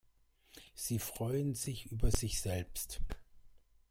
Sie freuen sich über sich selbst.